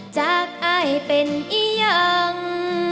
จากอายเป็นอียัง